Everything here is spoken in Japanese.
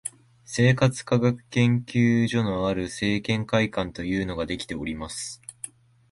生活科学研究所のある生研会館というのができております